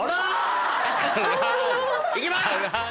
行きます！